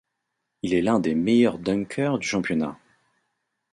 Il est l'un des meilleurs dunkeurs du championnat.